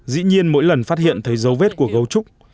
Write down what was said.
dĩ nhiên mỗi lần phát hiện thấy dấu vết của gấu trúc